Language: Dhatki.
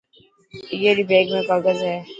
اي ري بيگ ۾ ڪاگز هي.